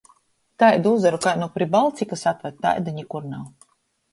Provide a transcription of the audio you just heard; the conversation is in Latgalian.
Taidu uzoru, kai nu Pribaltikys atvad, taidu nikur nav.